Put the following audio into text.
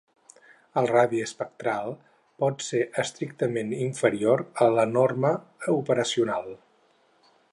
El radi espectral pot ser estrictament inferior a la norma operacional.